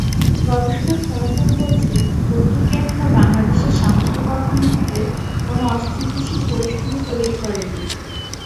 গবেষণার ফলাফল বলছে, ভর্তুকি এখনো বাংলাদেশের সামষ্টিক অর্থনীতিতে কোনো অস্থিতিশীল পরিস্থিতি তৈরি করেনি।